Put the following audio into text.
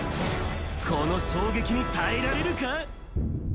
この衝撃に耐えられるか？